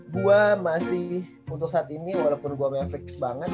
gue masih untuk saat ini walaupun gue mefix banget